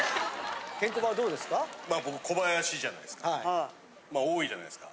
ケンコバはどうですか？